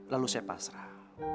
lalu saya pasrah